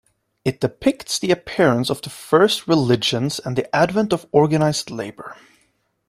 It depicts the appearance of the first religions and the advent of organized labor.